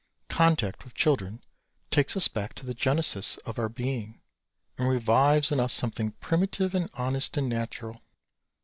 Contact with children takes us back to the genesis of our being and revives in us something primitive and honest and natural.